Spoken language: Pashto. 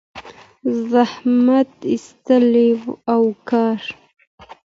زحمت ایستلی او کار